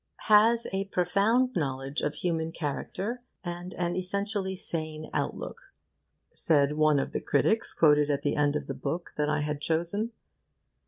'Has a profound knowledge of human character, and an essentially sane outlook' said one of the critics quoted at the end of the book that I had chosen.